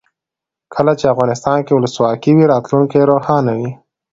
کله چې افغانستان کې ولسواکي وي راتلونکی روښانه وي.